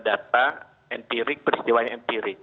data empirik peristiwanya empirik